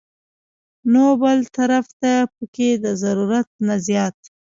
نو بل طرف ته پکښې د ضرورت نه زيات